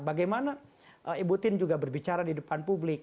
bagaimana ibu tin juga berbicara di depan publik